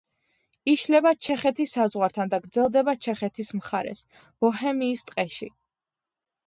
იშლება ჩეხეთის საზღვართან და გრძელდება ჩეხეთის მხარეს, ბოჰემიის ტყეში.